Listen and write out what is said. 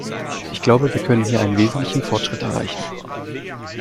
Ich glaube, wir können hier einen wesentlichen Fortschritt erreichen.